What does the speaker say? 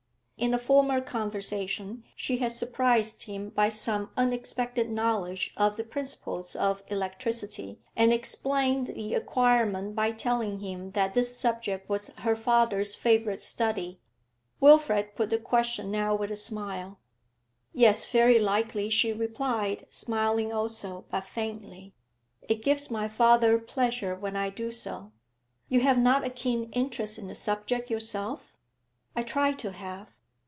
In a former conversation she had surprised him by some unexpected knowledge of the principles of electricity, and explained the acquirement by telling him that this subject was her father's favourite study. Wilfrid put the question now with a smile. 'Yes, very likely,' she replied, smiling also, but faintly. 'It gives my father pleasure when I do so.' 'You have not a keen interest in the subject yourself?' 'I try to have.'